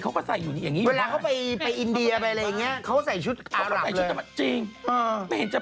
เขาทำไมวะนี่ถ้าพี่เช้าแต่งนี่ก็สกน้ำแข็งนะฮะ